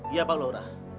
iya pak lura